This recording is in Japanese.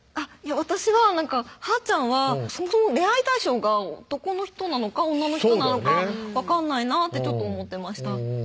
私ははーちゃんはそもそも恋愛対象が男の人なのか女の人なのか分かんないなってちょっと思ってました